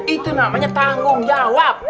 itu namanya tanggung jawab